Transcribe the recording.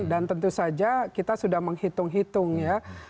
tentu saja kita sudah menghitung hitung ya